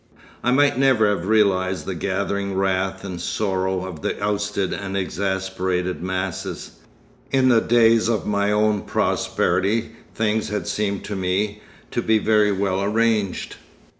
I might never have realised the gathering wrath and sorrow of the ousted and exasperated masses. In the days of my own prosperity things had seemed to me to be very well arranged.